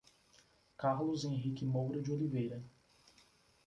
Carlos Henrique Moura de Oliveira